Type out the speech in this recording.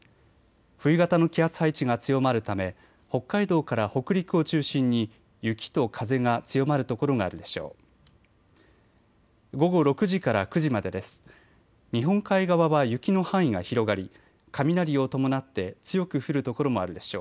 冬型の気圧配置が強まるため北海道から北陸を中心に雪と風が強まる所があるでしょう。